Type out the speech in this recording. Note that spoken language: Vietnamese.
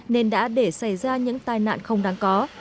nên đã để xảy ra những tai nạn không đáng có